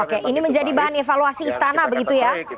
oke ini menjadi bahan evaluasi istana begitu ya